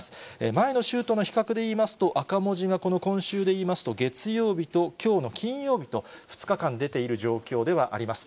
前の週との比較でいいますと、赤文字が今週でいいますと月曜日ときょうの金曜日と、２日間出ている状況ではあります。